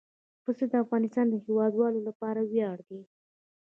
پسه د افغانستان د هیوادوالو لپاره ویاړ دی.